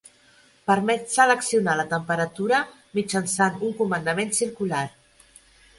Permet seleccionar la temperatura mitjançant un comandament circular.